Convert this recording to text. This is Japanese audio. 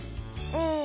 うん。